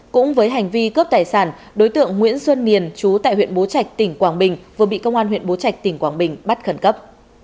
cũng với hành vi cướp tài sản đối tượng nguyễn xuân miền chú tại huyện bố trạch tỉnh quảng bình vừa bị công an huyện bố trạch tỉnh quảng bình bắt khẩn cấp